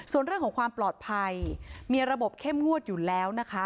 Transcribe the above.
ส่วนเรื่องของความปลอดภัยมีระบบเข้มงวดอยู่แล้วนะคะ